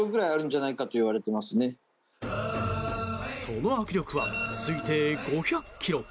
その握力は推定５００キロ。